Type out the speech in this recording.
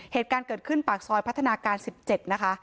เหตุการณ์เกิดขึ้นปากซอยพัฒนาการ๑๗นะคะ